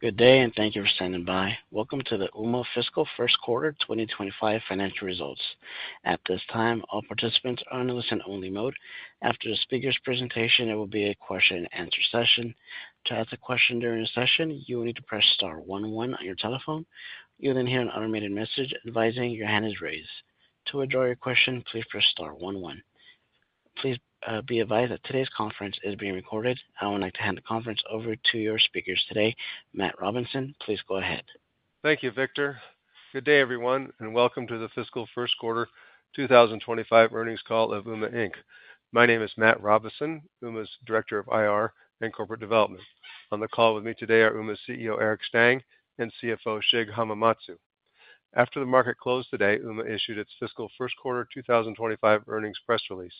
Good day, and thank you for standing by. Welcome to the Ooma fiscal first quarter 2025 financial results. At this time, all participants are in a listen-only mode. After the speaker's presentation, there will be a question-and-answer session. To ask a question during the session, you will need to press star one one on your telephone. You'll then hear an automated message advising your hand is raised. To withdraw your question, please press star one one. Please, be advised that today's conference is being recorded. I would like to hand the conference over to your speakers today. Matt Robison, please go ahead. Thank you, Victor. Good day, everyone, and welcome to the fiscal first quarter 2025 earnings call of Ooma Inc. My name is Matt Robison, Ooma's Director of IR and Corporate Development. On the call with me today are Ooma's CEO, Eric Stang, and CFO, Shig Hamamatsu. After the market closed today, Ooma issued its fiscal first quarter 2025 earnings press release.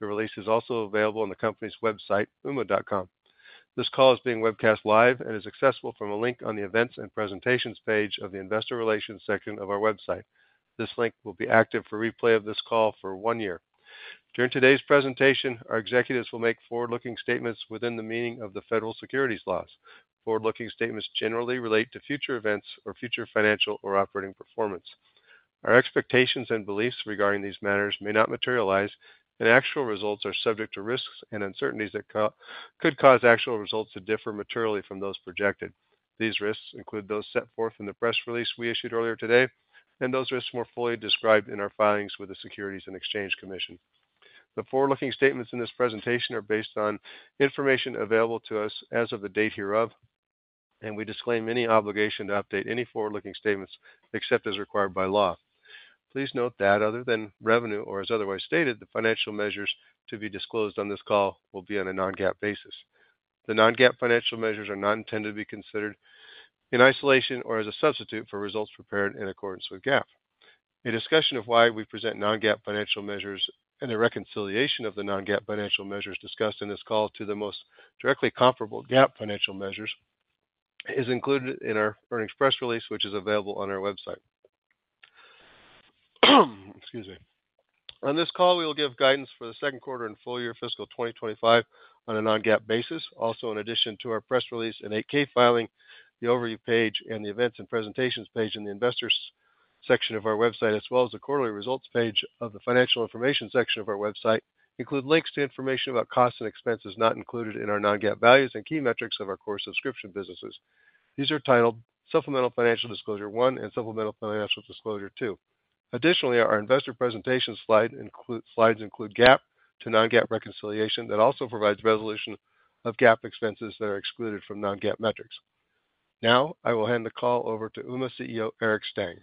The release is also available on the company's website, ooma.com. This call is being webcast live and is accessible from a link on the Events and Presentations page of the Investor Relations section of our website. This link will be active for replay of this call for one year. During today's presentation, our executives will make forward-looking statements within the meaning of the federal securities laws. Forward-looking statements generally relate to future events or future financial or operating performance. Our expectations and beliefs regarding these matters may not materialize, and actual results are subject to risks and uncertainties that could cause actual results to differ materially from those projected. These risks include those set forth in the press release we issued earlier today, and those risks more fully described in our filings with the Securities and Exchange Commission. The forward-looking statements in this presentation are based on information available to us as of the date hereof, and we disclaim any obligation to update any forward-looking statements except as required by law. Please note that other than revenue or as otherwise stated, the financial measures to be disclosed on this call will be on a non-GAAP basis. The non-GAAP financial measures are not intended to be considered in isolation or as a substitute for results prepared in accordance with GAAP. A discussion of why we present non-GAAP financial measures and a reconciliation of the non-GAAP financial measures discussed in this call to the most directly comparable GAAP financial measures is included in our earnings press release, which is available on our website. Excuse me. On this call, we will give guidance for the second quarter and full-year fiscal 2025 on a non-GAAP basis. Also, in addition to our press release and 8-K filing, the Overview page and the Events and Presentations page in the Investors section of our website, as well as the Quarterly Results page of the Financial Information section of our website, include links to information about costs and expenses not included in our non-GAAP values and key metrics of our core subscription businesses. These are titled Supplemental Financial Disclosure 1 and Supplemental Financial Disclosure 2. Additionally, our investor presentation slides include GAAP to non-GAAP reconciliation. That also provides reconciliation of GAAP expenses that are excluded from non-GAAP metrics. Now, I will hand the call over to Ooma CEO, Eric Stang.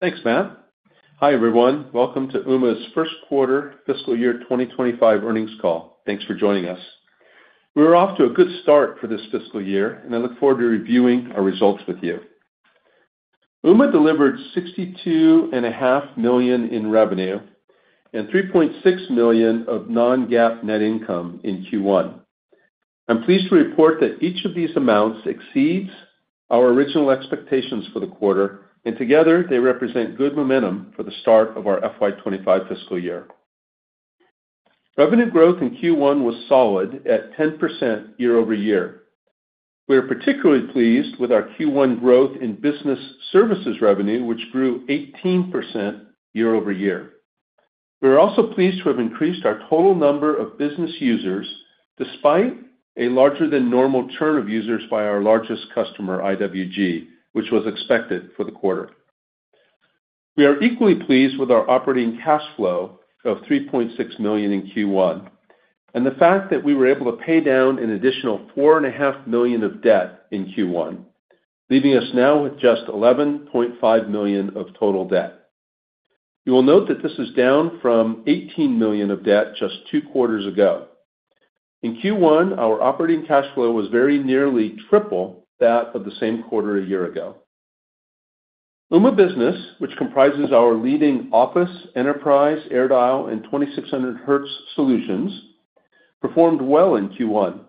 Thanks, Matt. Hi, everyone. Welcome to Ooma's first quarter fiscal year 2025 earnings call. Thanks for joining us. We're off to a good start for this fiscal year, and I look forward to reviewing our results with you. Ooma delivered $62.5 million in revenue and $3.6 million of non-GAAP net income in Q1. I'm pleased to report that each of these amounts exceeds our original expectations for the quarter, and together, they represent good momentum for the start of our FY 2025 fiscal year. Revenue growth in Q1 was solid at 10% year-over-year. We are particularly pleased with our Q1 growth in business services revenue, which grew 18% year-over-year. We are also pleased to have increased our total number of business users despite a larger than normal churn of users by our largest customer, IWG, which was expected for the quarter. We are equally pleased with our operating cash flow of $3.6 million in Q1, and the fact that we were able to pay down an additional $4.5 million of debt in Q1, leaving us now with just $11.5 million of total debt. You will note that this is down from $18 million of debt just two quarters ago. In Q1, our operating cash flow was very nearly triple that of the same quarter a year ago. Ooma Business, which comprises our leading Office, Enterprise, AirDial, and 2600Hz solutions, performed well in Q1.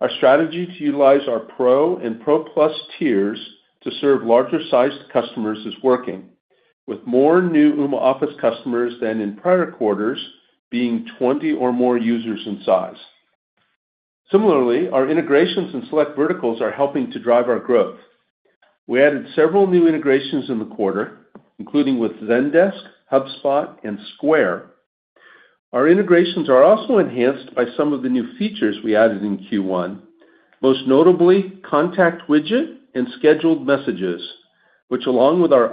Our strategy to utilize our Pro and Pro Plus tiers to serve larger-sized customers is working, with more new Ooma Office customers than in prior quarters, being 20 or more users in size. Similarly, our integrations and select verticals are helping to drive our growth. We added several new integrations in the quarter, including with Zendesk, HubSpot, and Square. Our integrations are also enhanced by some of the new features we added in Q1, most notably Contact Widget and Scheduled Messages, which, along with our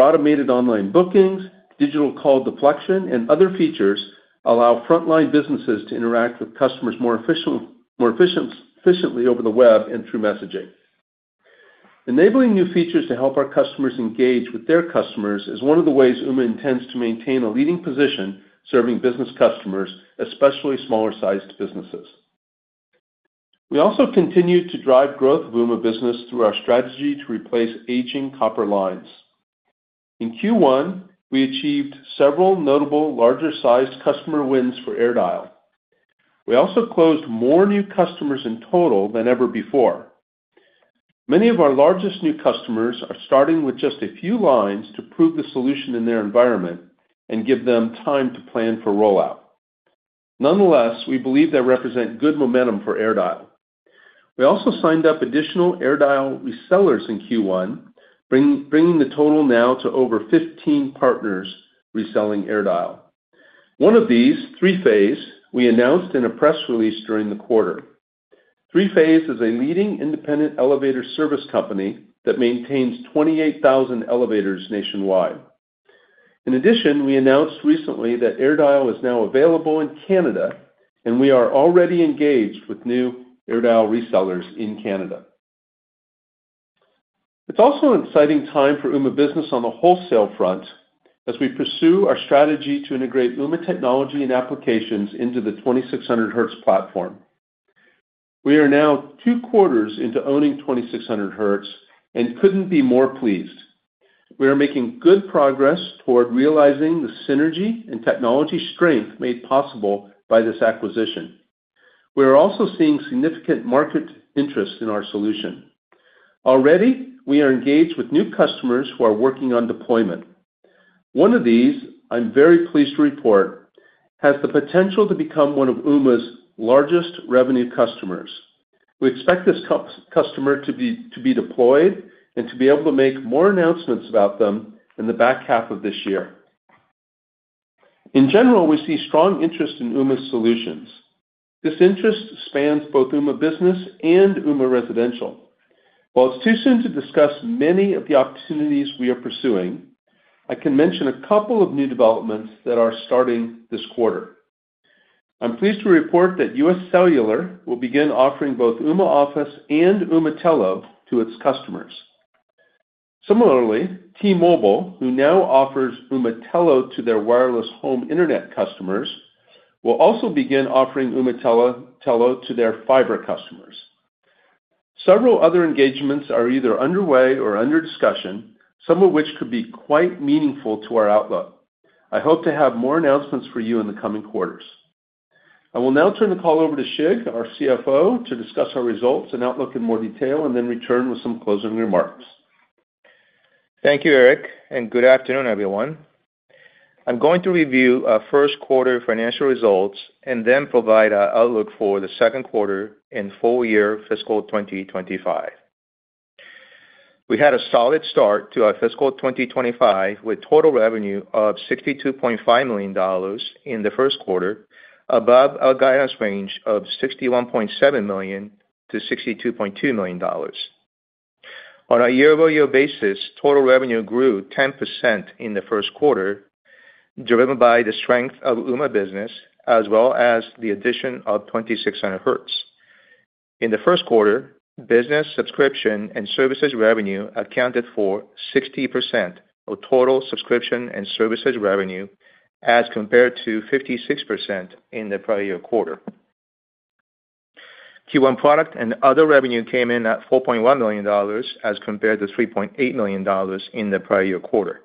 automated online bookings, digital call deflection, and other features, allow frontline businesses to interact with customers more efficiently over the web and through messaging. Enabling new features to help our customers engage with their customers is one of the ways Ooma intends to maintain a leading position serving business customers, especially smaller-sized businesses. We also continued to drive growth of Ooma Business through our strategy to replace aging copper lines. In Q1, we achieved several notable larger-sized customer wins for AirDial. We also closed more new customers in total than ever before.... Many of our largest new customers are starting with just a few lines to prove the solution in their environment and give them time to plan for rollout. Nonetheless, we believe they represent good momentum for AirDial. We also signed up additional AirDial resellers in Q1, bringing the total now to over 15 partners reselling AirDial. One of these, 3Phase, we announced in a press release during the quarter. 3Phase Elevator is a leading independent elevator service company that maintains 28,000 elevators nationwide. In addition, we announced recently that AirDial is now available in Canada, and we are already engaged with new AirDial resellers in Canada. It's also an exciting time for Ooma Business on the wholesale front as we pursue our strategy to integrate Ooma technology and applications into the 2600Hz platform. We are now two quarters into owning 2600Hz and couldn't be more pleased. We are making good progress toward realizing the synergy and technology strength made possible by this acquisition. We are also seeing significant market interest in our solution. Already, we are engaged with new customers who are working on deployment. One of these, I'm very pleased to report, has the potential to become one of Ooma's largest revenue customers. We expect this customer to be deployed and to be able to make more announcements about them in the back half of this year. In general, we see strong interest in Ooma's solutions. This interest spans both Ooma Business and Ooma Residential. While it's too soon to discuss many of the opportunities we are pursuing, I can mention a couple of new developments that are starting this quarter. I'm pleased to report that UScellular will begin offering both Ooma Office and Ooma Telo to its customers. Similarly, T-Mobile, who now offers Ooma Telo to their wireless home internet customers, will also begin offering Ooma Telo to their fiber customers. Several other engagements are either underway or under discussion, some of which could be quite meaningful to our outlook. I hope to have more announcements for you in the coming quarters. I will now turn the call over to Shig, our CFO, to discuss our results and outlook in more detail and then return with some closing remarks. Thank you, Eric, and good afternoon, everyone. I'm going to review our first quarter financial results and then provide our outlook for the second quarter and full year fiscal 2025. We had a solid start to our fiscal 2025, with total revenue of $62.5 million in the first quarter, above our guidance range of $61.7 million-$62.2 million. On a year-over-year basis, total revenue grew 10% in the first quarter, driven by the strength of Ooma Business as well as the addition of 2600Hz. In the first quarter, business subscription and services revenue accounted for 60% of total subscription and services revenue, as compared to 56% in the prior year quarter. Q1 product and other revenue came in at $4.1 million, as compared to $3.8 million in the prior year quarter.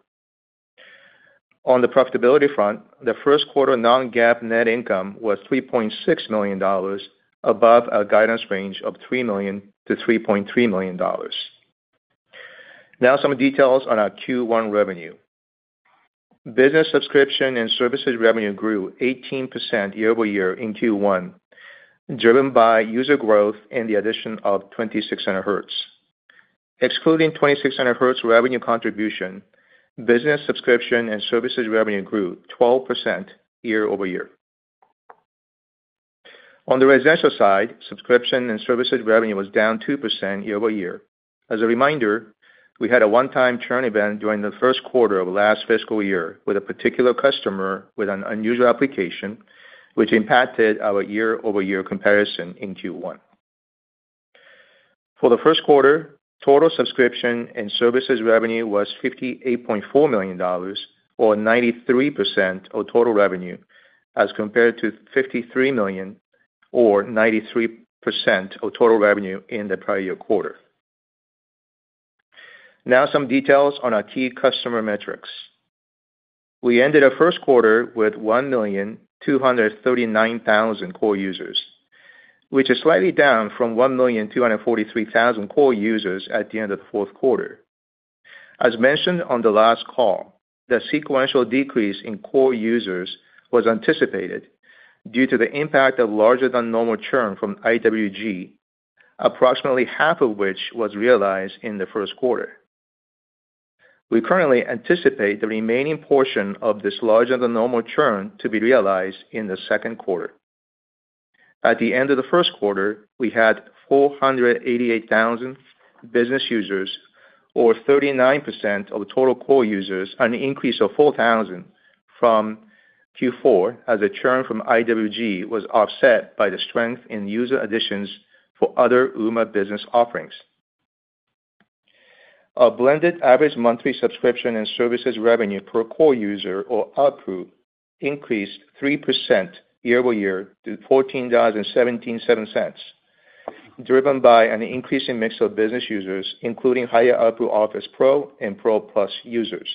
On the profitability front, the first quarter non-GAAP net income was $3.6 million above our guidance range of $3 million-$3.3 million. Now some details on our Q1 revenue. Business subscription and services revenue grew 18% year-over-year in Q1, driven by user growth and the addition of 2600Hz. Excluding 2600Hz revenue contribution, business subscription and services revenue grew 12% year-over-year. On the residential side, subscription and services revenue was down 2% year-over-year. As a reminder, we had a one-time churn event during the first quarter of last fiscal year with a particular customer with an unusual application, which impacted our year-over-year comparison in Q1. For the first quarter, total subscription and services revenue was $58.4 million, or 93% of total revenue, as compared to $53 million, or 93% of total revenue in the prior year quarter. Now some details on our key customer metrics. We ended our first quarter with 1,239,000 core users, which is slightly down from 1,243,000 core users at the end of the fourth quarter. As mentioned on the last call, the sequential decrease in core users was anticipated due to the impact of larger than normal churn from IWG, approximately half of which was realized in the first quarter. We currently anticipate the remaining portion of this larger than normal churn to be realized in the second quarter. At the end of the first quarter, we had 488,000 business users, or 39% of the total core users, an increase of 4,000 from Q4, as the churn from IWG was offset by the strength in user additions for other Ooma business offerings. Our blended average monthly subscription and services revenue per core user or ARPU, increased 3% year-over-year to $14.17, driven by an increasing mix of business users, including higher ARPU Office Pro and Pro Plus users.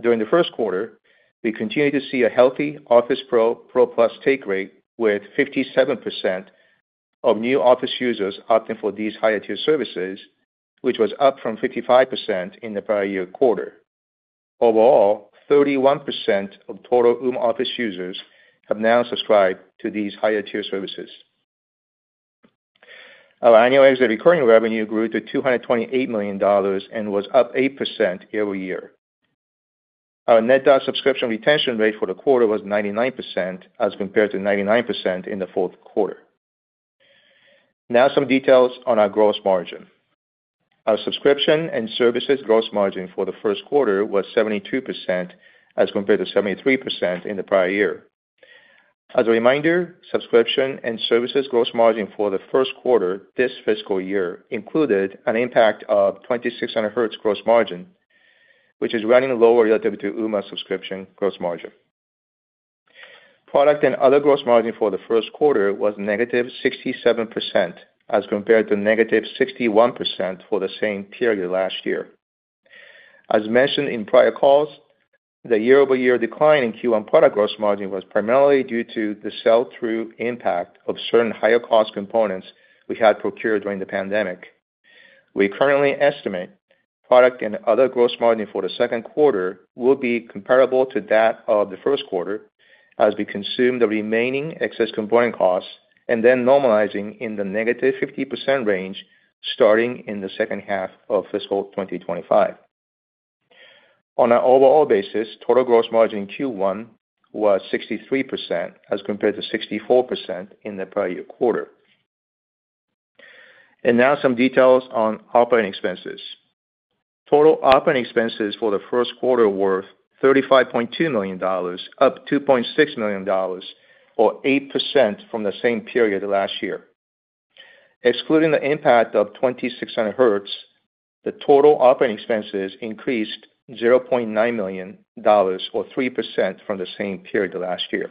During the first quarter, we continued to see a healthy Office Pro, Pro Plus take rate, with 57% of new Office users opting for these higher-tier services, which was up from 55% in the prior year quarter. Overall, 31% of total Ooma Office users have now subscribed to these higher-tier services. Our annualized recurring revenue grew to $228 million and was up 8% year-over-year. Our net dollar subscription retention rate for the quarter was 99%, as compared to 99% in the fourth quarter. Now some details on our gross margin. Our subscription and services gross margin for the first quarter was 72%, as compared to 73% in the prior year. As a reminder, subscription and services gross margin for the first quarter this fiscal year included an impact of 2600Hz gross margin, which is running lower relative to Ooma subscription gross margin. Product and other gross margin for the first quarter was -67%, as compared to -61% for the same period last year. As mentioned in prior calls, the year-over-year decline in Q1 product gross margin was primarily due to the sell-through impact of certain higher cost components we had procured during the pandemic. We currently estimate product and other gross margin for the second quarter will be comparable to that of the first quarter as we consume the remaining excess component costs and then normalizing in the -50% range, starting in the second half of fiscal 2025. On an overall basis, total gross margin in Q1 was 63%, as compared to 64% in the prior year quarter. And now some details on operating expenses. Total operating expenses for the first quarter were $35.2 million, up $2.6 million or 8% from the same period last year. Excluding the impact of 2600Hz, the total operating expenses increased $0.9 million or 3% from the same period last year.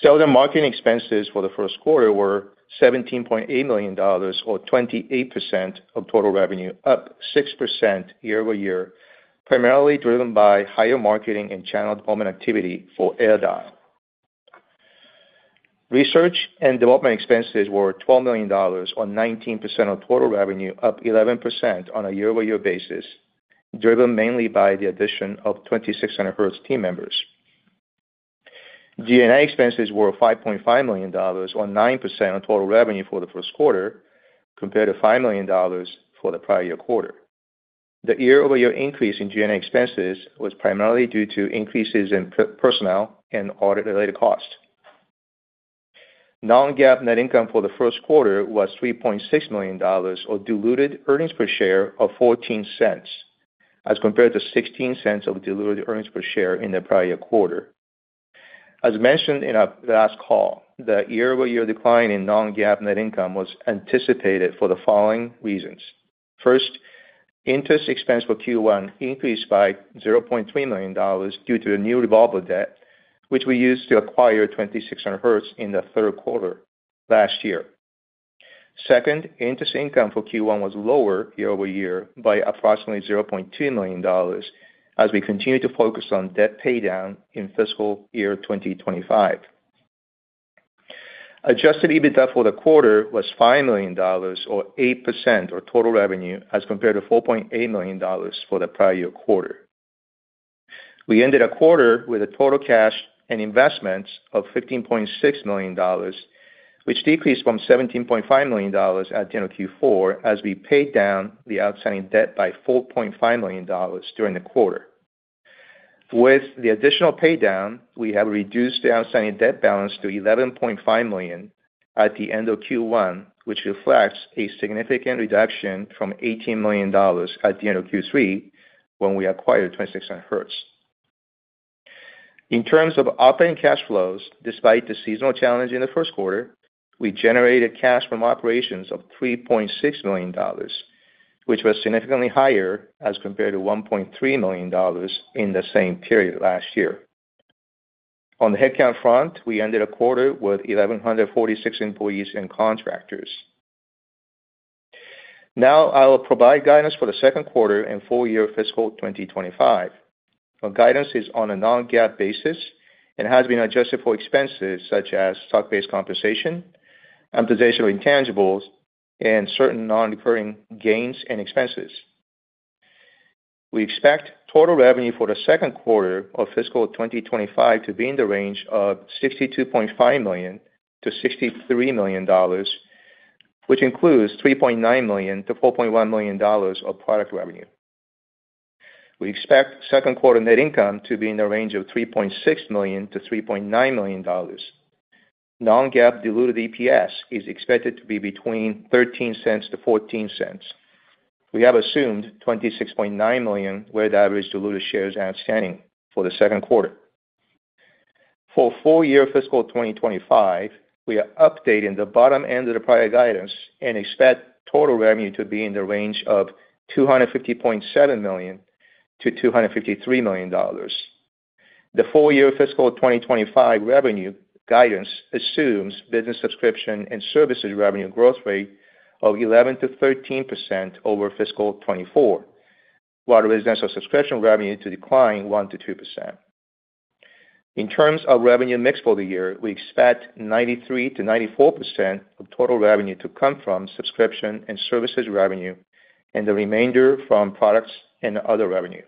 Sales and marketing expenses for the first quarter were $17.8 million, or 28% of total revenue, up 6% year-over-year, primarily driven by higher marketing and channel development activity for AirDial. Research and development expenses were $12 million, or 19% of total revenue, up 11% on a year-over-year basis, driven mainly by the addition of 2600Hz team members. G&A expenses were $5.5 million, or 9% of total revenue for the first quarter, compared to $5 million for the prior year quarter. The year-over-year increase in G&A expenses was primarily due to increases in personnel and audit-related costs. Non-GAAP net income for the first quarter was $3.6 million, or diluted earnings per share of $0.14, as compared to $0.16 of diluted earnings per share in the prior year quarter. As mentioned in our last call, the year-over-year decline in non-GAAP net income was anticipated for the following reasons: First, interest expense for Q1 increased by $0.3 million due to a new revolver debt, which we used to acquire 2600Hz in the third quarter last year. Second, interest income for Q1 was lower year-over-year by approximately $0.2 million as we continue to focus on debt paydown in fiscal year 2025. Adjusted EBITDA for the quarter was $5 million or 8% of total revenue, as compared to $4.8 million for the prior year quarter. We ended the quarter with a total cash and investments of $15.6 million, which decreased from $17.5 million at the end of Q4 as we paid down the outstanding debt by $4.5 million during the quarter. With the additional paydown, we have reduced the outstanding debt balance to $11.5 million at the end of Q1, which reflects a significant reduction from $18 million at the end of Q3, when we acquired 2600Hz. In terms of operating cash flows, despite the seasonal challenge in the first quarter, we generated cash from operations of $3.6 million, which was significantly higher as compared to $1.3 million in the same period last year. On the headcount front, we ended the quarter with 1,146 employees and contractors. Now, I will provide guidance for the second quarter and full year fiscal 2025. Our guidance is on a non-GAAP basis and has been adjusted for expenses such as stock-based compensation, amortization of intangibles, and certain non-recurring gains and expenses. We expect total revenue for the second quarter of fiscal 2025 to be in the range of $62.5 million-$63 million, which includes $3.9 million-$4.1 million of product revenue. We expect second quarter net income to be in the range of $3.6 million-$3.9 million. Non-GAAP diluted EPS is expected to be between $0.13-$0.14. We have assumed 26.9 million weighted average diluted shares outstanding for the second quarter. For full year fiscal 2025, we are updating the bottom end of the prior guidance and expect total revenue to be in the range of $250.7 million-$253 million. The full year fiscal 2025 revenue guidance assumes business subscription and services revenue growth rate of 11%-13% over fiscal 2024, while the residential subscription revenue to decline 1%-2%. In terms of revenue mix for the year, we expect 93%-94% of total revenue to come from subscription and services revenue, and the remainder from products and other revenue.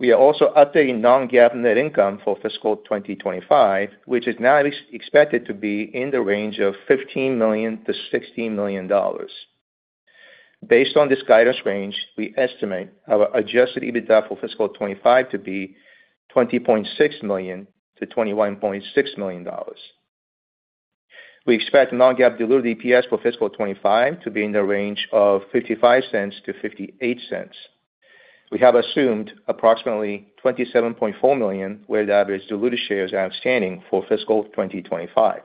We are also updating non-GAAP net income for fiscal 2025, which is now expected to be in the range of $15 million-$16 million. Based on this guidance range, we estimate our Adjusted EBITDA for fiscal 2025 to be $20.6 million-$21.6 million. We expect non-GAAP diluted EPS for fiscal 2025 to be in the range of $0.55-$0.58. We have assumed approximately 27.4 million, weighted average diluted shares outstanding for fiscal 2025.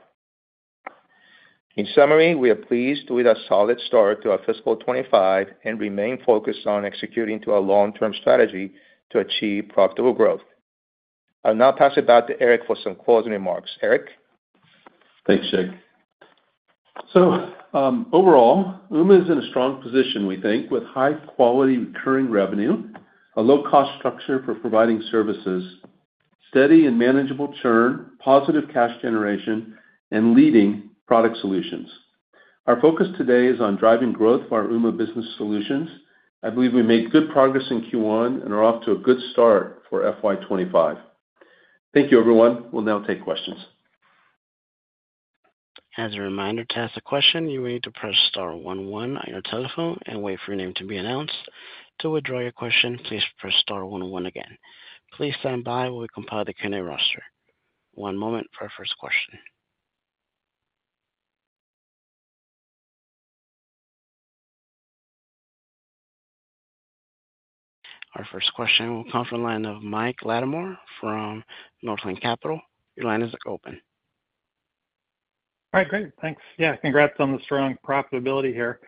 In summary, we are pleased with a solid start to our fiscal 2025 and remain focused on executing to our long-term strategy to achieve profitable growth. I'll now pass it back to Eric for some closing remarks. Eric? Thanks, Shig. So, overall, Ooma is in a strong position, we think, with high-quality recurring revenue, a low-cost structure for providing services, steady and manageable churn, positive cash generation, and leading product solutions. Our focus today is on driving growth for our Ooma business solutions. I believe we made good progress in Q1 and are off to a good start for FY 25. Thank you, everyone. We'll now take questions. As a reminder, to ask a question, you will need to press star one one on your telephone and wait for your name to be announced. To withdraw your question, please press star one one again. Please stand by while we compile the candidate roster. One moment for our first question. Our first question will come from the line of Mike Latimore from Northland Capital. Your line is open. All right, great. Thanks. Yeah, congrats on the strong profitability here.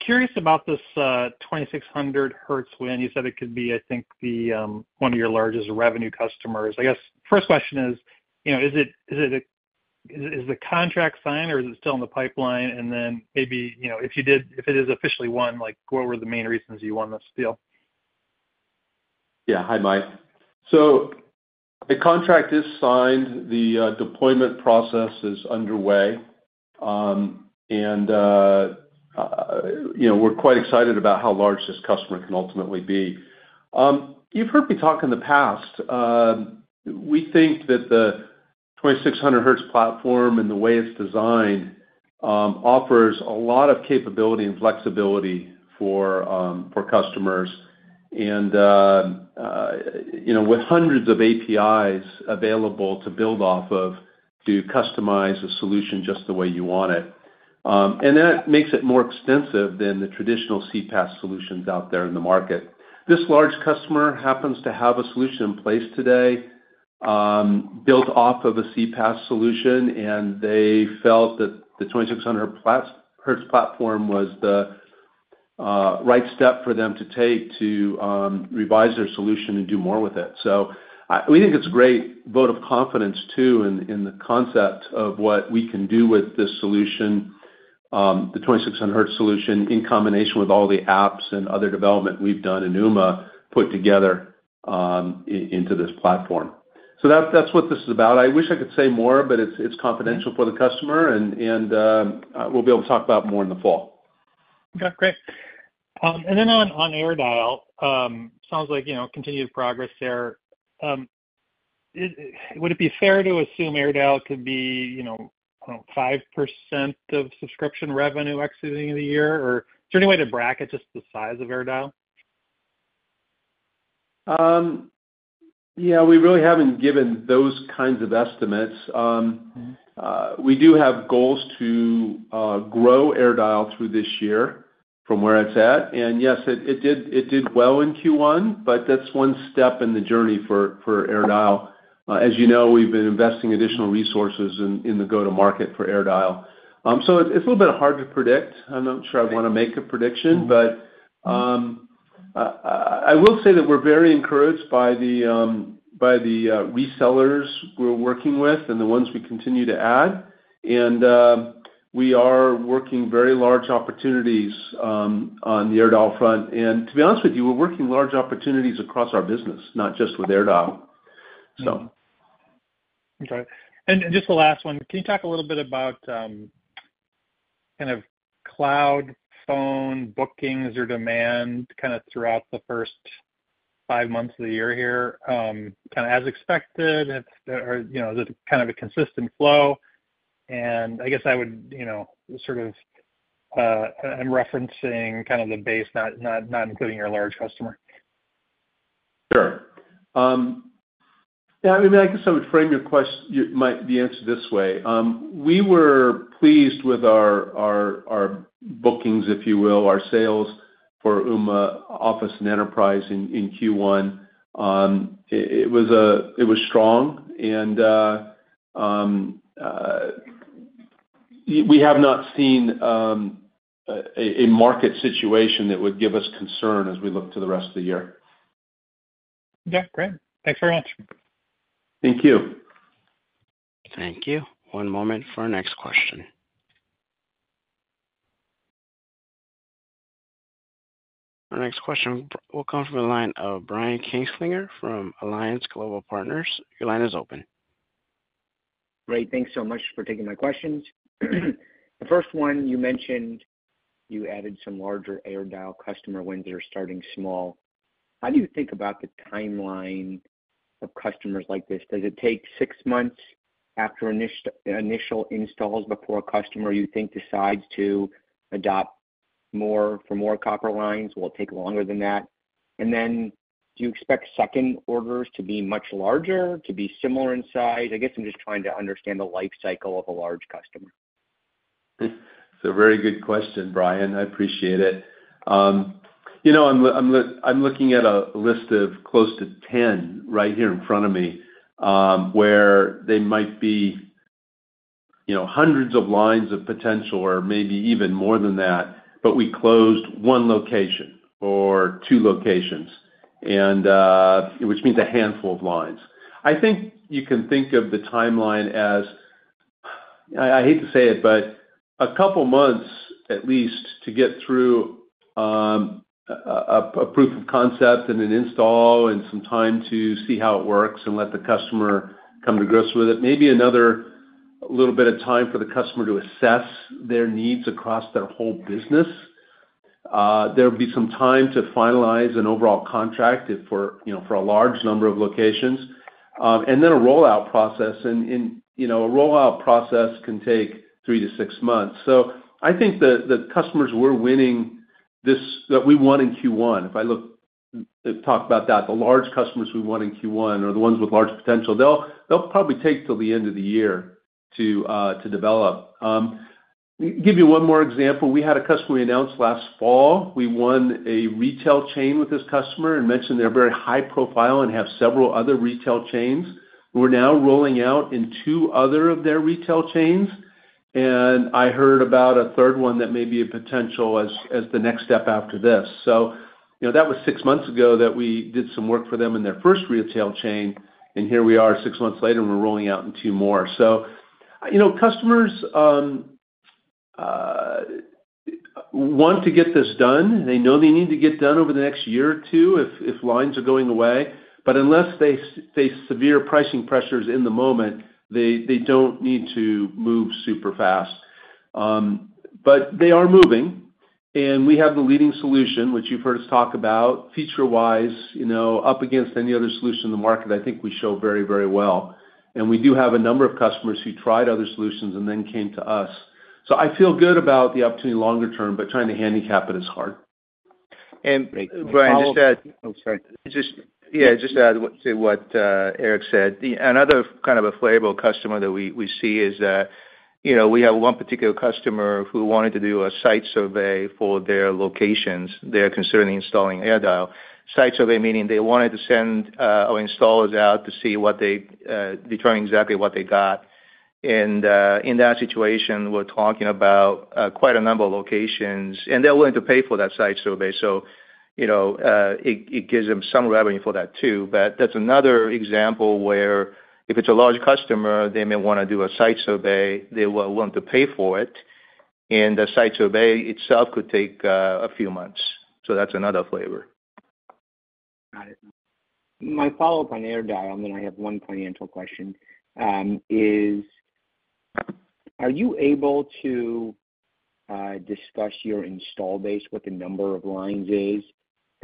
Curious about this 2600Hz win. You said it could be, I think, the one of your largest revenue customers. I guess, first question is, you know, is it, is the contract signed, or is it still in the pipeline? And then maybe, you know, if you did, if it is officially won, like, what were the main reasons you won this deal? Yeah. Hi, Mike. So the contract is signed, the deployment process is underway. And you know, we're quite excited about how large this customer can ultimately be. You've heard me talk in the past, we think that the 2600Hz platform and the way it's designed offers a lot of capability and flexibility for customers, and you know, with hundreds of APIs available to build off of, to customize a solution just the way you want it. And that makes it more extensive than the traditional CPaaS solutions out there in the market. This large customer happens to have a solution in place today, built off of a CPaaS solution, and they felt that the 2600Hz platform was the right step for them to take to revise their solution and do more with it. So we think it's a great vote of confidence, too, in the concept of what we can do with this solution, the 2600Hz solution, in combination with all the apps and other development we've done in Ooma, put together into this platform. So that's what this is about. I wish I could say more, but it's confidential for the customer, and we'll be able to talk about it more in the fall. Okay, great. And then on AirDial, sounds like, you know, continued progress there. Would it be fair to assume AirDial could be, you know, I don't know, 5% of subscription revenue exiting the year? Or is there any way to bracket just the size of AirDial? Yeah, we really haven't given those kinds of estimates. We do have goals to grow AirDial through this year from where it's at. And yes, it did well in Q1, but that's one step in the journey for AirDial. As you know, we've been investing additional resources in the go-to-market for AirDial. So it's a little bit hard to predict. I'm not sure I wanna make a prediction. But I will say that we're very encouraged by the resellers we're working with and the ones we continue to add. And we are working very large opportunities on the AirDial front. And to be honest with you, we're working large opportunities across our business, not just with AirDial, so. Okay. And just the last one, can you talk a little bit about kind of cloud phone bookings or demand, kinda throughout the first 5 months of the year here? Kinda as expected, it's, or, you know, is it kind of a consistent flow? And I guess I would, you know, sort of, I'm referencing kind of the base, not, not, not including your large customer. Sure. Yeah, I mean, I guess I would frame the answer this way. We were pleased with our bookings, if you will, our sales for Ooma Office and Enterprise in Q1. It was strong, and we have not seen a market situation that would give us concern as we look to the rest of the year. Yeah, great. Thanks very much. Thank you. Thank you. One moment for our next question. Our next question will come from the line of Brian Kinstlinger from Alliance Global Partners. Your line is open. Great. Thanks so much for taking my questions. The first one, you mentioned you added some larger AirDial customer wins that are starting small. How do you think about the timeline of customers like this? Does it take six months after initial installs before a customer, you think, decides to adopt more, for more copper lines, will it take longer than that? And then do you expect second orders to be much larger, to be similar in size? I guess I'm just trying to understand the life cycle of a large customer. It's a very good question, Brian. I appreciate it. You know, I'm looking at a list of close to 10 right here in front of me, where they might be, you know, hundreds of lines of potential or maybe even more than that, but we closed 1 location or 2 locations, and which means a handful of lines. I think you can think of the timeline as, I hate to say it, but a couple of months at least to get through, a proof of concept and an install and some time to see how it works and let the customer come to grips with it. Maybe another little bit of time for the customer to assess their needs across their whole business. There'll be some time to finalize an overall contract if for, you know, for a large number of locations, and then a rollout process. You know, a rollout process can take three to six months. So I think the customers we're winning, that we won in Q1, the large customers we won in Q1 are the ones with large potential. They'll probably take till the end of the year to develop. Give you one more example. We had a customer we announced last fall. We won a retail chain with this customer and mentioned they're very high profile and have several other retail chains. We're now rolling out in two other of their retail chains, and I heard about a third one that may be a potential as the next step after this. So, you know, that was 6 months ago that we did some work for them in their first retail chain, and here we are 6 months later, and we're rolling out in 2 more. So, you know, customers want to get this done. They know they need to get done over the next year or 2 if lines are going away, but unless they face severe pricing pressures in the moment, they don't need to move super fast. But they are moving, and we have the leading solution, which you've heard us talk about, feature-wise, you know, up against any other solution in the market. I think we show very, very well. And we do have a number of customers who tried other solutions and then came to us. I feel good about the opportunity longer term, but trying to handicap it is hard. Brian, just to add- Oh, sorry. Just, yeah, just to add to what, Eric said. Another kind of a flavor of customer that we see is that, you know, we have one particular customer who wanted to do a site survey for their locations. They're considering installing AirDial. Site survey, meaning they wanted to send our installers out to see what they determine exactly what they got. And in that situation, we're talking about quite a number of locations, and they're willing to pay for that site survey, so, you know, it gives them some revenue for that, too. But that's another example where if it's a large customer, they may wanna do a site survey, they will want to pay for it, and the site survey itself could take a few months. So that's another flavor. Got it. My follow-up on AirDial, and then I have one financial question, are you able to discuss your installed base, what the number of lines is?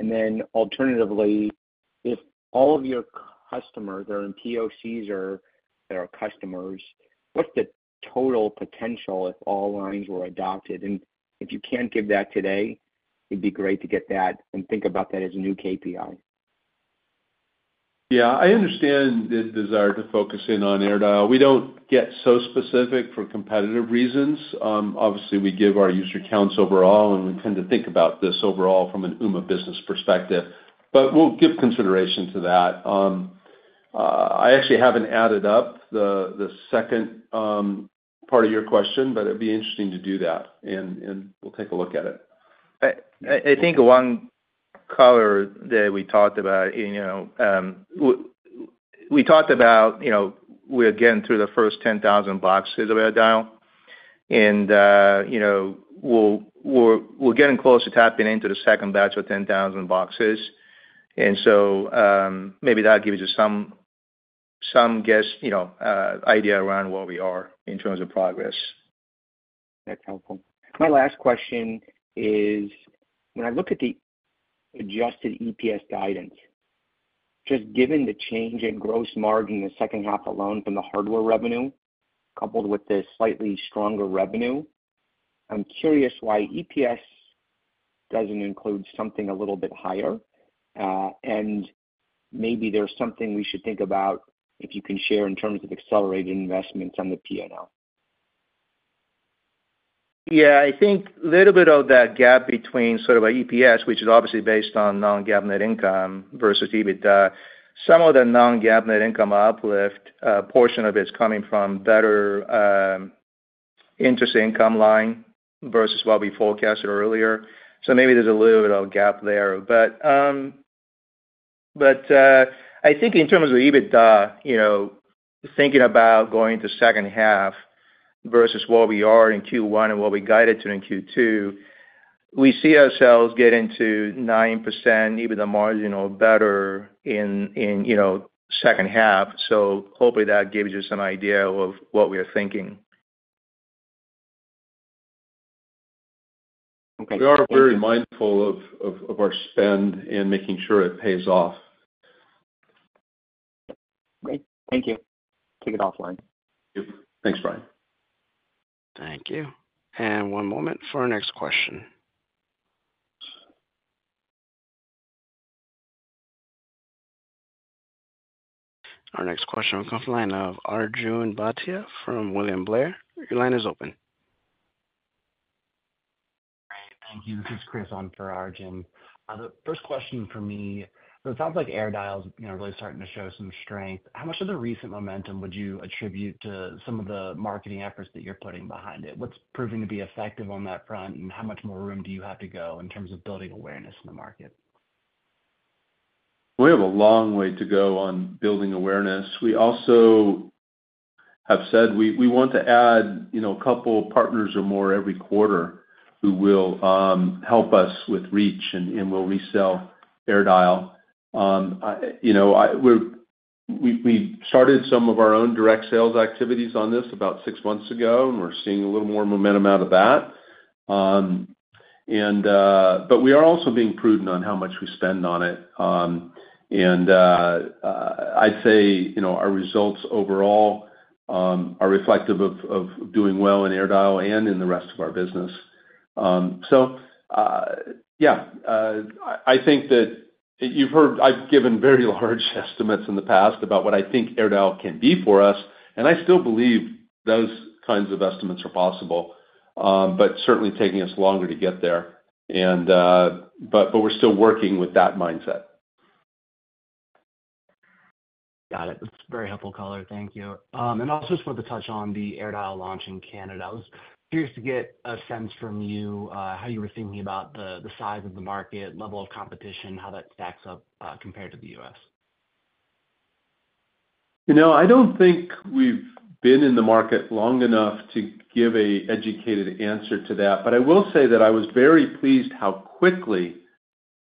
And then alternatively, if all of your customers are in POCs or that are customers, what's the total potential if all lines were adopted? And if you can't give that today, it'd be great to get that and think about that as a new KPI. Yeah, I understand the desire to focus in on AirDial. We don't get so specific for competitive reasons. Obviously, we give our user counts overall, and we tend to think about this overall from an Ooma business perspective, but we'll give consideration to that. I actually haven't added up the second part of your question, but it'd be interesting to do that, and we'll take a look at it. I think one color that we talked about, you know, we talked about, you know, we're getting through the first 10,000 boxes of AirDial and, you know, we're getting close to tapping into the second batch of 10,000 boxes. And so, maybe that gives you some guess, you know, idea around where we are in terms of progress. That's helpful. My last question is, when I look at the adjusted EPS guidance, just given the change in gross margin in the second half alone from the hardware revenue, coupled with the slightly stronger revenue, I'm curious why EPS doesn't include something a little bit higher? And maybe there's something we should think about if you can share in terms of accelerating investments on the P&L.... Yeah, I think a little bit of that gap between sort of our EPS, which is obviously based on non-GAAP net income versus EBITDA, some of the non-GAAP net income uplift, portion of it is coming from better, interest income line versus what we forecasted earlier. So maybe there's a little bit of gap there. But, I think in terms of EBITDA, you know, thinking about going to second half versus where we are in Q1 and what we guided to in Q2, we see ourselves getting to 9% EBITDA margin or better in, you know, second half. So hopefully that gives you some idea of what we are thinking. Okay. We are very mindful of our spend and making sure it pays off. Great. Thank you. Take it offline. Yep. Thanks, Brian. Thank you. One moment for our next question. Our next question will come from the line of Arjun Bhatia from William Blair. Your line is open. Great, thank you. This is Chris on for Arjun. The first question for me, so it sounds like AirDial's, you know, really starting to show some strength. How much of the recent momentum would you attribute to some of the marketing efforts that you're putting behind it? What's proving to be effective on that front, and how much more room do you have to go in terms of building awareness in the market? We have a long way to go on building awareness. We also have said we want to add, you know, a couple partners or more every quarter who will help us with reach and will resell AirDial. You know, we started some of our own direct sales activities on this about six months ago, and we're seeing a little more momentum out of that. But we are also being prudent on how much we spend on it. I'd say, you know, our results overall are reflective of doing well in AirDial and in the rest of our business. So, I think that you've heard, I've given very large estimates in the past about what I think AirDial can be for us, and I still believe those kinds of estimates are possible, but certainly taking us longer to get there. And, we're still working with that mindset. Got it. That's a very helpful color. Thank you. Also just wanted to touch on the AirDial launch in Canada. I was curious to get a sense from you, how you were thinking about the size of the market, level of competition, how that stacks up, compared to the U.S.? You know, I don't think we've been in the market long enough to give an educated answer to that, but I will say that I was very pleased how quickly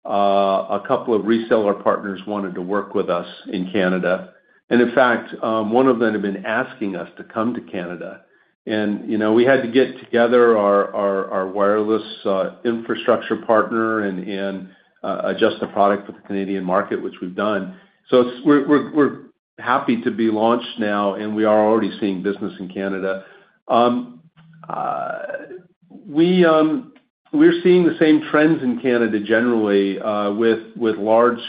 a couple of reseller partners wanted to work with us in Canada. And in fact, one of them had been asking us to come to Canada. And, you know, we had to get together our wireless infrastructure partner and adjust the product for the Canadian market, which we've done. So we're happy to be launched now, and we are already seeing business in Canada. We're seeing the same trends in Canada generally, with large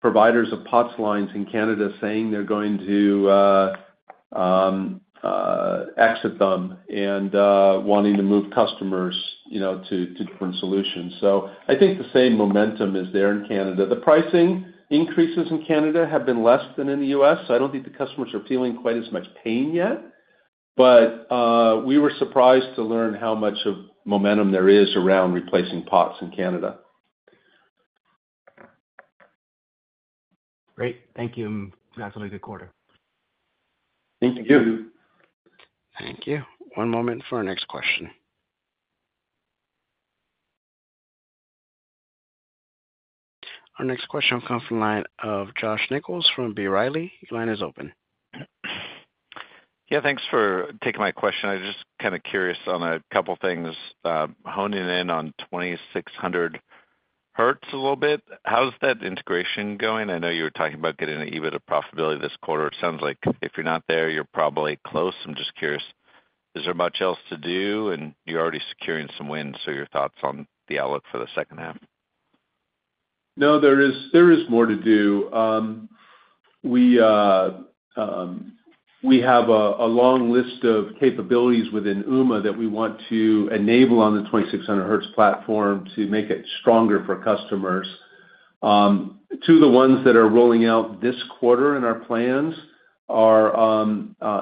providers of POTS lines in Canada saying they're going to exit them and wanting to move customers, you know, to different solutions. So I think the same momentum is there in Canada. The pricing increases in Canada have been less than in the US, so I don't think the customers are feeling quite as much pain yet. But, we were surprised to learn how much of momentum there is around replacing POTS in Canada. Great. Thank you, and congratulations on a good quarter. Thank you. Thank you. One moment for our next question. Our next question will come from the line of Josh Nichols from B. Riley. Your line is open. Yeah, thanks for taking my question. I was just kind of curious on a couple things. Honing in on 2600Hz a little bit, how's that integration going? I know you were talking about getting an EBITDA profitability this quarter. It sounds like if you're not there, you're probably close. I'm just curious, is there much else to do? And you're already securing some wins, so your thoughts on the outlook for the second half. No, there is more to do. We have a long list of capabilities within Ooma that we want to enable on the 2600Hz platform to make it stronger for customers. Two of the ones that are rolling out this quarter in our plans are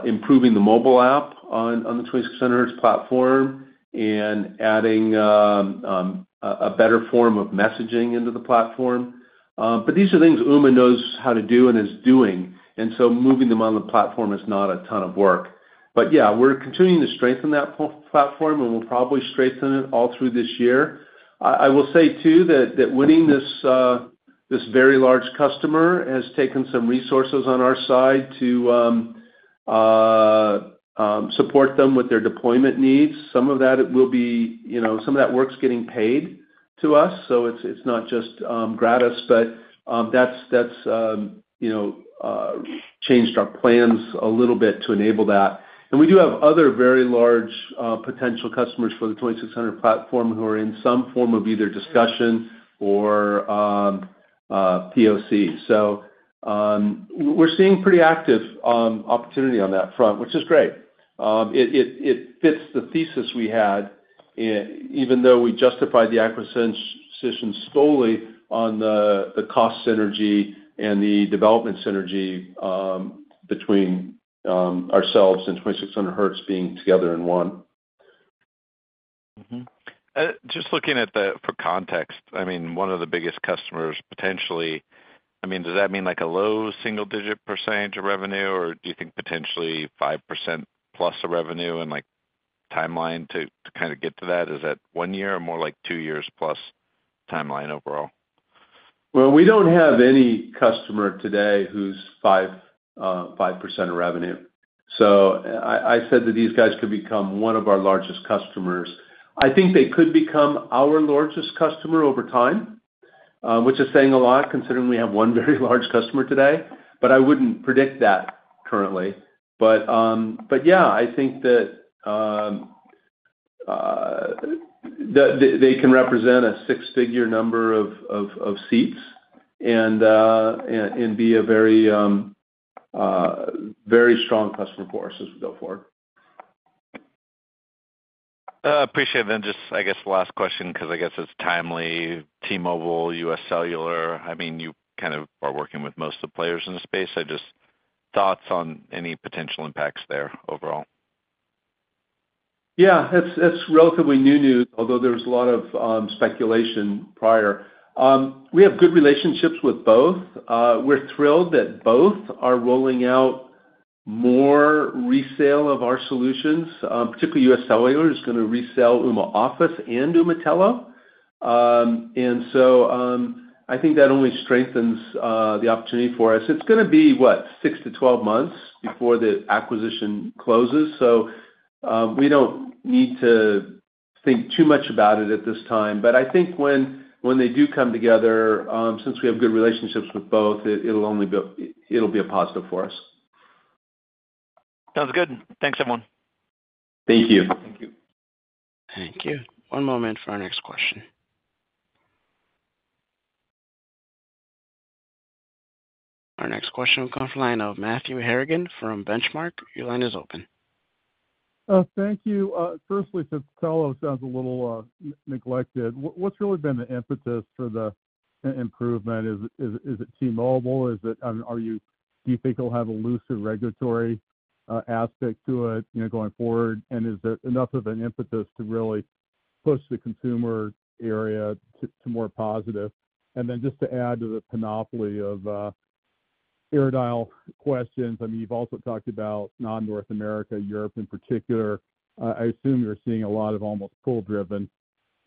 improving the mobile app on the 2600Hz platform and adding a better form of messaging into the platform. But these are things Ooma knows how to do and is doing, and so moving them on the platform is not a ton of work. But yeah, we're continuing to strengthen that platform, and we'll probably strengthen it all through this year. I will say, too, that winning this very large customer has taken some resources on our side to support them with their deployment needs. Some of that will be, you know, some of that work's getting paid to us, so it's not just gratis, but that's changed our plans a little bit to enable that. And we do have other very large potential customers for the 2600Hz platform who are in some form of either discussion or POC. So, we're seeing pretty active opportunity on that front, which is great. It fits the thesis we had, even though we justified the acquisition solely on the cost synergy and the development synergy between ourselves and 2600Hz being together in one. Mm-hmm. Just looking at the—for context, I mean, one of the biggest customers potentially, I mean, does that mean like a low single-digit percentage of revenue? Or do you think potentially 5%+ of revenue and, like, timeline to kind of get to that, is that one year or more like two years plus timeline overall? Well, we don't have any customer today who's 5% of revenue. So I said that these guys could become one of our largest customers. I think they could become our largest customer over time, which is saying a lot, considering we have one very large customer today, but I wouldn't predict that currently. But yeah, I think that they can represent a six-figure number of seats and be a very strong customer for us as we go forward. Appreciate it. Then just, I guess, last question, 'cause I guess it's timely, T-Mobile, UScellular, I mean, you kind of are working with most of the players in the space. So just thoughts on any potential impacts there overall? Yeah, that's, that's relatively new news, although there's a lot of speculation prior. We have good relationships with both. We're thrilled that both are rolling out more resale of our solutions, particularly UScellular is gonna resell Ooma Office and Ooma Telo. And so, I think that only strengthens the opportunity for us. It's gonna be, what? 6-12 months before the acquisition closes. So, we don't need to think too much about it at this time, but I think when, when they do come together, since we have good relationships with both, it'll be a positive for us. Sounds good. Thanks, everyone. Thank you. Thank you. Thank you. One moment for our next question. Our next question will come from the line of Matthew Harrigan from Benchmark. Your line is open. Thank you. Firstly, so Telo sounds a little neglected. What's really been the impetus for the improvement? Is it T-Mobile? Is it... Do you think it'll have a looser regulatory aspect to it, you know, going forward? And is there enough of an impetus to really push the consumer area to more positive? And then just to add to the panoply of AirDial questions, I mean, you've also talked about non-North America, Europe in particular. I assume you're seeing a lot of almost pull-driven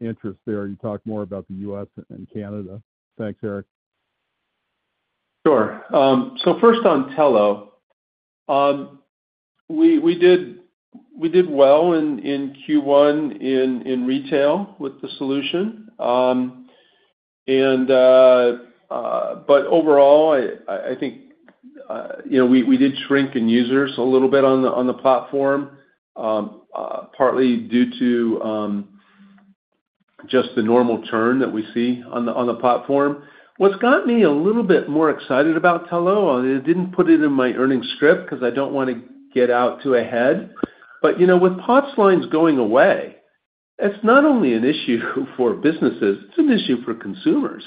interest there. You talked more about the US and Canada. Thanks, Eric. Sure. So first on Telo. We did well in Q1 in retail with the solution. But overall, I think, you know, we did shrink in users a little bit on the platform, partly due to just the normal churn that we see on the platform. What's got me a little bit more excited about Telo, I didn't put it in my earnings script 'cause I don't want to get too ahead. You know, with POTS lines going away, it's not only an issue for businesses, it's an issue for consumers.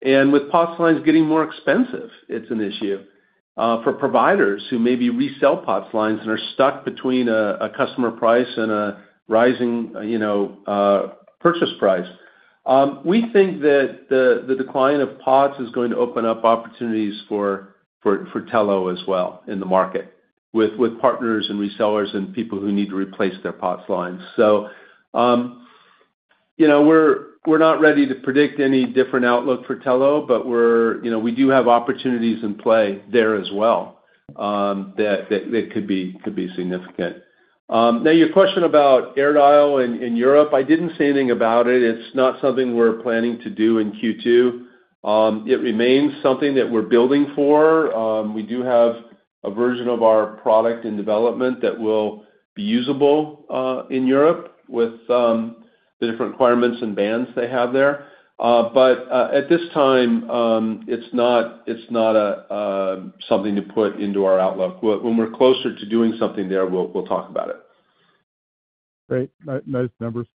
And with POTS lines getting more expensive, it's an issue for providers who maybe resell POTS lines and are stuck between a customer price and a rising, you know, purchase price. We think that the decline of POTS is going to open up opportunities for Telo as well in the market, with partners and resellers and people who need to replace their POTS lines. So, you know, we're not ready to predict any different outlook for Telo, but you know, we do have opportunities in play there as well, that could be significant. Now, your question about AirDial in Europe, I didn't say anything about it. It's not something we're planning to do in Q2. It remains something that we're building for. We do have a version of our product in development that will be usable in Europe with the different requirements and bands they have there. But at this time, it's not something to put into our outlook. When we're closer to doing something there, we'll talk about it. Great. Nice numbers.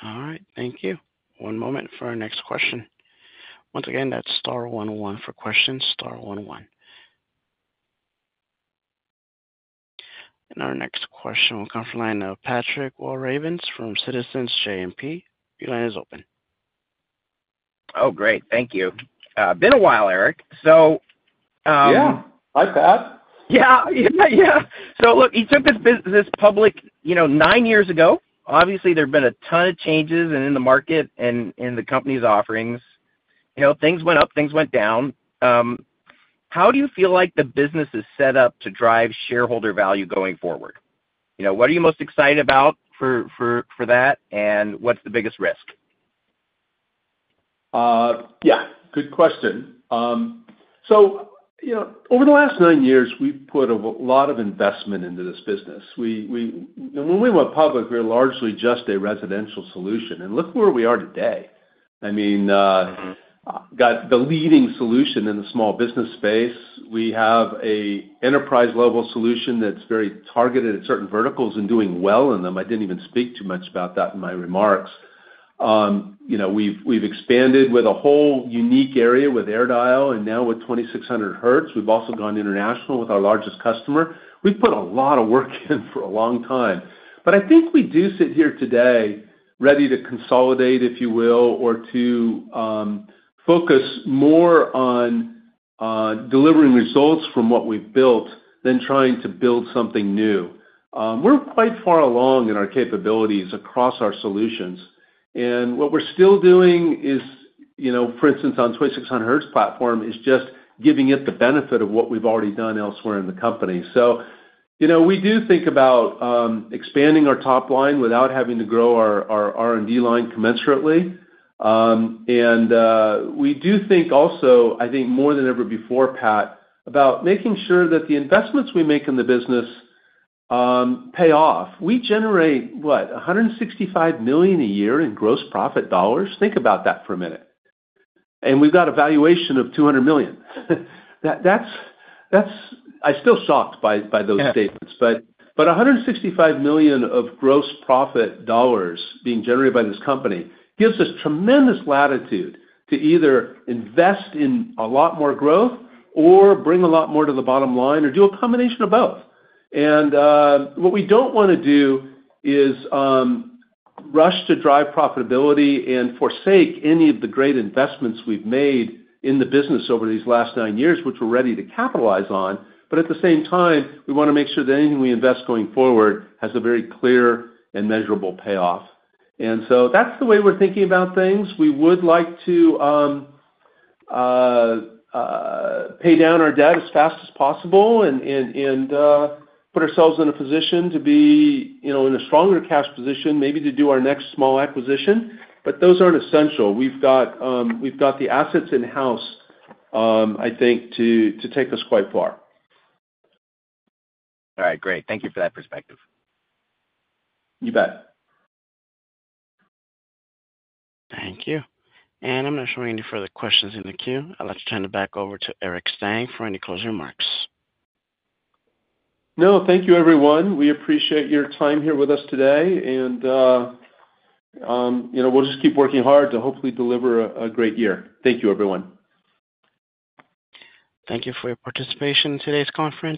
All right. Thank you. One moment for our next question. Once again, that's star one one for questions, star one one. Our next question will come from the line of Patrick Walravens from Citizens JMP. Your line is open. Oh, great. Thank you. Been a while, Eric. So, Yeah. Hi, Pat. Yeah, yeah. So look, you took this business public, you know, nine years ago. Obviously, there have been a ton of changes in the market and in the company's offerings. You know, things went up, things went down. How do you feel like the business is set up to drive shareholder value going forward? You know, what are you most excited about for that, and what's the biggest risk?... Yeah, good question. So, you know, over the last nine years, we've put a lot of investment into this business. When we went public, we were largely just a residential solution, and look where we are today. I mean, got the leading solution in the small business space. We have an enterprise-level solution that's very targeted at certain verticals and doing well in them. I didn't even speak too much about that in my remarks. You know, we've expanded with a whole unique area with AirDial, and now with 2600Hz. We've also gone international with our largest customer. We've put a lot of work in for a long time, but I think we do sit here today ready to consolidate, if you will, or to focus more on delivering results from what we've built than trying to build something new. We're quite far along in our capabilities across our solutions, and what we're still doing is, you know, for instance, on 2600Hz platform, is just giving it the benefit of what we've already done elsewhere in the company. So, you know, we do think about expanding our top line without having to grow our R&D line commensurately. And we do think also, I think more than ever before, Pat, about making sure that the investments we make in the business pay off. We generate, what? $165 million a year in gross profit dollars. Think about that for a minute. We've got a valuation of $200 million. That, that's, that's... I'm still shocked by, by those statements. But $165 million of gross profit dollars being generated by this company gives us tremendous latitude to either invest in a lot more growth or bring a lot more to the bottom line or do a combination of both. And what we don't wanna do is rush to drive profitability and forsake any of the great investments we've made in the business over these last nine years, which we're ready to capitalize on. But at the same time, we wanna make sure that anything we invest going forward has a very clear and measurable payoff. And so that's the way we're thinking about things. We would like to pay down our debt as fast as possible and put ourselves in a position to be, you know, in a stronger cash position, maybe to do our next small acquisition, but those aren't essential. We've got the assets in-house, I think, to take us quite far. All right, great. Thank you for that perspective. You bet. Thank you. I'm not showing any further questions in the queue. I'd like to turn it back over to Eric Stang for any closing remarks. No, thank you, everyone. We appreciate your time here with us today, and, you know, we'll just keep working hard to hopefully deliver a great year. Thank you, everyone. Thank you for your participation in today's conference.